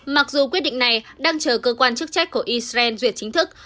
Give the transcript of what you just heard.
mặc dù quyết định này đang chờ cơ quan chức trách của israel duyệt chính thức